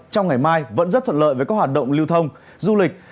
trong ngày mai vẫn rất thuận lợi với các hoạt động lưu thông du lịch